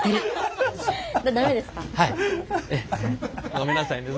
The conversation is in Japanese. ごめんなさいね